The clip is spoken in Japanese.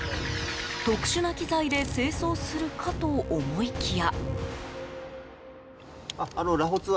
特殊な機材で清掃するかと思いきや。